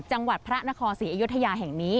จังหวัดพระนครศรีอยุธยาแห่งนี้